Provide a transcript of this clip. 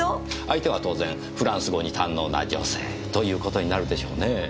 相手は当然フランス語に堪能な女性という事になるでしょうね。